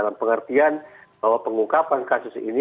dan pengertian bahwa pengungkapan kasus ini